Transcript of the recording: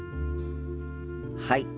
はい。